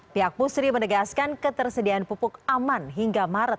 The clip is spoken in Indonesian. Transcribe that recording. pihak pusri menegaskan ketersediaan pupuk aman hingga maret dua ribu dua puluh tiga